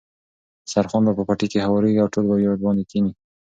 دسترخوان به په پټي کې هوارېږي او ټول به ورباندې کېني.